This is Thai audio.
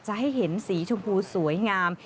ให้เห็นสีชมพูสวยงาม